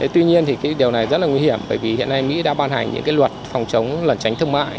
tuy nhiên điều này rất là nguy hiểm bởi vì hiện nay mỹ đã ban hành những luật phòng chống lần tránh thương mại